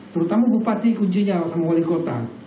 terutama bupati kunjinyal sama wali kota